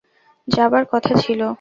যাবার কথা ছিল।